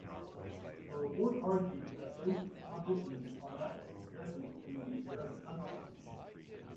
The Report argued that those conditions are not present in the Arab countries.